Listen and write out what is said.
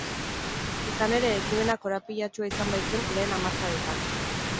Izan ere, ekimena korapilatsua izan baitzen lehen hamarkadetan.